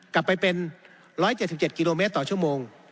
กลับไปเป็น๑๗๗กิโลเมตรต่อชั่วโมง